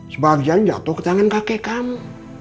sebagian jatuh ke tangan kakek kamu